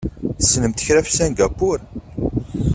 Tessnemt kra ɣef Singapur?